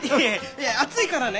いや熱いからね。